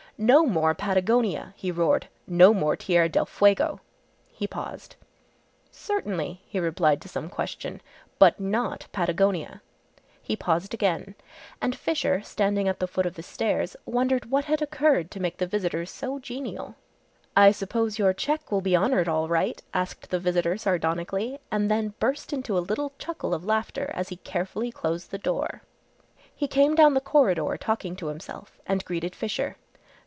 "No more Patagonia!" he roared, "no more Tierra del Fuego!" he paused. "Certainly!" He replied to some question, "but not Patagonia," he paused again, and Fisher standing at the foot of the stairs wondered what had occurred to make the visitor so genial. "I suppose your cheque will be honoured all right?" asked the visitor sardonically, and then burst into a little chuckle of laughter as he carefully closed the door. He came down the corridor talking to himself, and greeted Fisher.